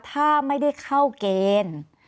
ถ้าไม่ได้เข้าเกณฑ์